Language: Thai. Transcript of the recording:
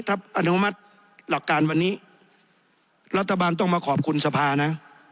ถ้าอนุมัติหลักการวันนี้รัฐบาลต้องมาขอบคุณสภานะ